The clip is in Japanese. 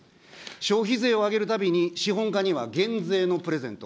消費税を上げるたびに、資本家には減税のプレゼント。